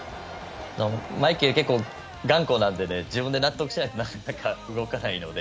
マイケル、結構頑固なので自分で納得しないとなかなか動かないので。